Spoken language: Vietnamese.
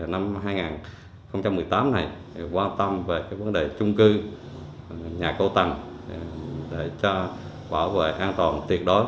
năm hai nghìn một mươi tám này quan tâm về vấn đề chung cư nhà cao tầng để cho bảo vệ an toàn tuyệt đối